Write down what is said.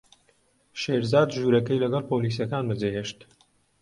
شێرزاد ژوورەکەی لەگەڵ پۆلیسەکان بەجێهێشت.